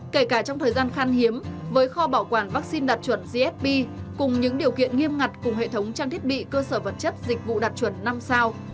kể cả trong thời gian khan hiếm với kho bảo quản vaccine đạt chuẩn gsb cùng những điều kiện nghiêm ngặt cùng hệ thống trang thiết bị cơ sở vật chất dịch vụ đạt chuẩn năm sao